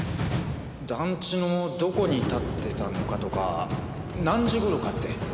団地のどこに立ってたのかとか何時頃かって。